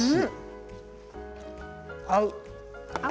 合う。